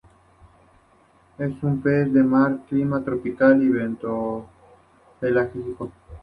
Es un pez de mar clima tropical y bentopelágico.